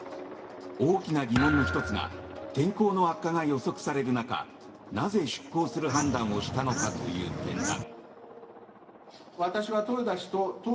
大きな疑問の１つが天候の悪化が予測される中なぜ出航する判断をしたのかという点だ。